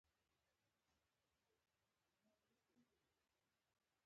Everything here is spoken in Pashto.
کله چې د تودوخې درجه ټاکلي حد ته ورسیږي.